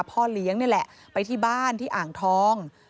พ่อเลี้ยงนี่แหละไปที่บ้านที่อ่างทอง